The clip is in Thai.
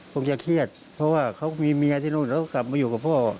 คงจะเครียดเพราะว่าเขามีเมียที่นู่นแล้วกลับมาอยู่กับพ่อ